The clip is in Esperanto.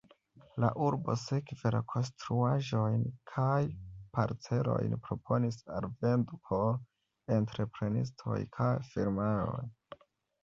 La urbo sekve la konstruaĵojn kaj parcelojn proponis al vendo por entreprenistoj kaj firmaoj.